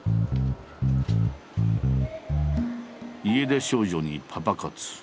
家出少女にパパ活。